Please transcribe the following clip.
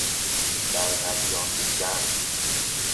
در غلیان بودن